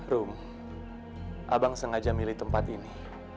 rum abang sengaja milih tempat ini